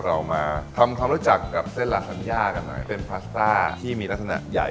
เรามาทำความรู้จักกับเส้นลาธัญญากันหน่อยเป็นพาสต้าที่มีลักษณะใหญ่